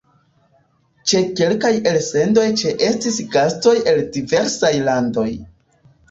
Ĉe kelkaj elsendoj ĉeestis gastoj el diversaj landoj.